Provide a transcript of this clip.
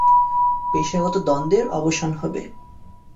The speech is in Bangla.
পেশাগত দ্বন্দ্বের অবসান হবে।